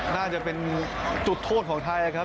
น่าจะเป็นจุดโทษของไทยครับ